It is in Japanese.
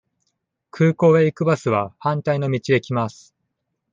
空港へ行くバスは反対の道へ来ます。